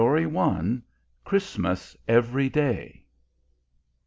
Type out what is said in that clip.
'"_ 143 CHRISTMAS EVERY DAY.